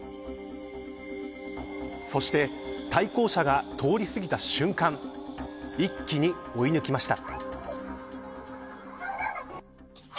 そして、対向車が通り過ぎた瞬間一気に追い抜きました。